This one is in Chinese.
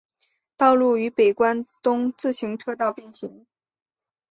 道路与北关东自动车道并行。